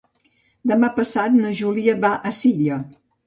Demà passat na Júlia va a Silla.